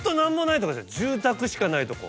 住宅しかないとこ。